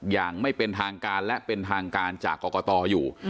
อย่างไม่เป็นทางการและเป็นทางการจากกรกตอยู่